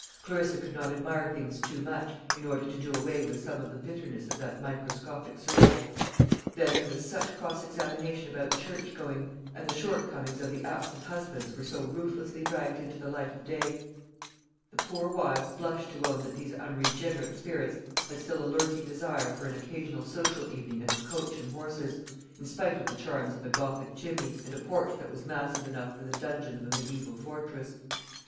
Clarissa could not admire things too much, in order to do away with some of the bitterness of that microscopic survey. Then there was such cross examination about church going, and the shortcomings of the absent husbands were so ruthlessly dragged into the light of day. The poor wives blushed to own that these unregenerate spirits had still a lurking desire for an occasional social evening at the Coach and Horses, in spite of the charms of a gothic chimney, and a porch that was massive enough for the dungeon of a mediaeval fortress.